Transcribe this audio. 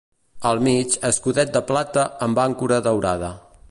Al mig, escudet de plata amb àncora daurada.